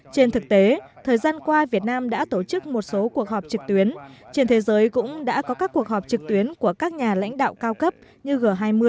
trên thực tế thời gian qua việt nam đã tổ chức một số cuộc họp trực tuyến trên thế giới cũng đã có các cuộc họp trực tuyến của các nhà lãnh đạo cao cấp như g hai mươi